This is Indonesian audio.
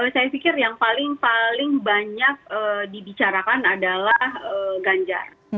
saya pikir yang paling paling banyak dibicarakan adalah ganjar